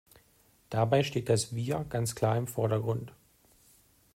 Dabei steht das Wir ganz klar im Vordergrund.